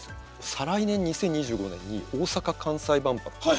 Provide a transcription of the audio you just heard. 再来年２０２５年に大阪・関西万博